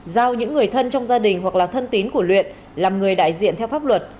giao những người thân trong gia đình hoặc là thân tín của luyện làm người đại diện theo pháp luật